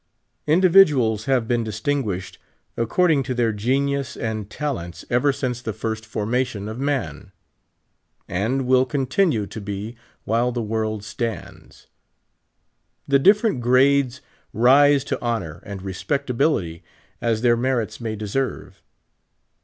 Individuals have been distinguished according to their genius and talents ever since the first formation of man, and will continue to be while the world stands. The different grades rise to honor and respectabilit}" as their merits may deserve.